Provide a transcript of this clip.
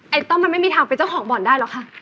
ต้อมมันไม่มีทางเป็นเจ้าของบ่อนได้หรอกค่ะ